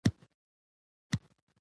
خو دغه ټېنک چې کومې تباهۍ کوي